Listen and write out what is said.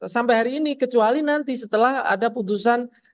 sampai hari ini kecuali nanti setelah ada putusan